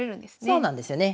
そうなんですよね。